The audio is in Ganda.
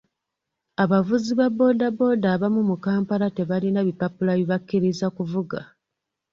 Abavuzi ba boodabooda abamu mu Kampala tebalina bipapula bibakkiriza kuvuga.